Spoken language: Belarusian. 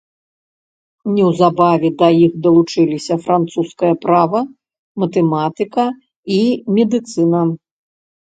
Неўзабаве да іх далучыліся французскае права, матэматыка і медыцына.